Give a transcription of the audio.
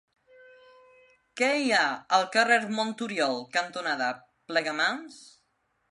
Què hi ha al carrer Monturiol cantonada Plegamans?